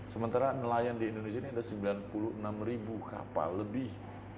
sementara nelayan di indonesia ini ada sembilan puluh enam ribu kapal lebih